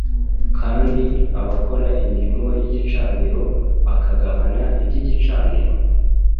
kandi abakora imirimo y’igicaniro bakagabana iby’igicaniro?